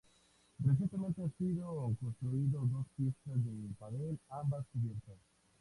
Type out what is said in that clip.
Recientemente han sido construidos dos pistas de padel, ambas cubiertas.